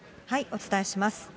お伝えします。